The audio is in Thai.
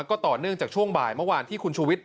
ก็ต่อเนื่องจากช่วงบ่ายเมื่อวานที่คุณชูวิทย